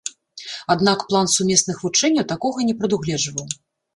Аднак план сумесных вучэнняў такога не прадугледжваў.